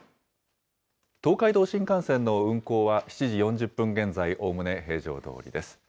東海道新幹線の運行は７時４０分現在、おおむね平常どおりです。